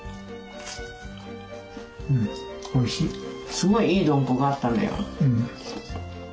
すごいいいドンコがあったのよ。